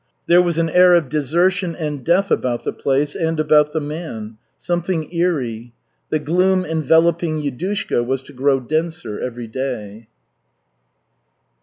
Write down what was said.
There was an air of desertion and death about the place and about the man, something eery. The gloom enveloping Yudushka was to grow denser every day.